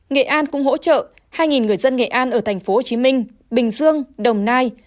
nghệ an cũng hỗ trợ hai người dân nghệ an ở tp hcm bình dương đồng nai